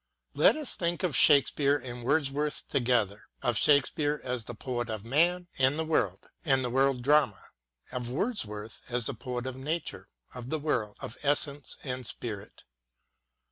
Let us think of Shakespeare and Wordsworth together — of Shake speare as the poet of man and of the world drama ; of Wordsworth as the poet of Nature, of the world, of essence and spirit.